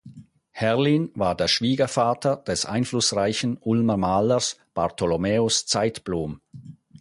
Herlin war der Schwiegervater des einflussreichen Ulmer Malers Bartholomäus Zeitblom.